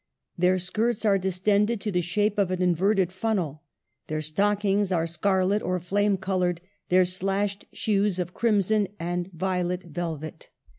Their skirts are dis tended to the shape of an inverted funnel. Their stockings are scarlet or flame color, their slashed shoes of crimson and violet velvet.